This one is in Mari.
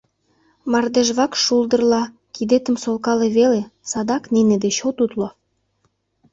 Мардежвакш шулдырла кидетым солкале веле, садак нине деч от утло.